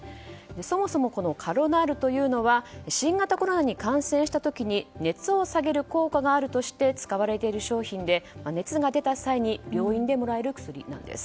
そもそもカロナールというのは新型コロナに感染した時に熱を下げる効果があるとして使われている商品で熱が出た際に病院でもらえる薬なんです。